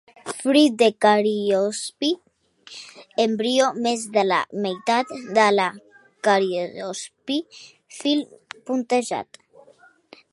Fruit una cariopsi; embrió més de la meitat de la cariopsi; fil puntejat.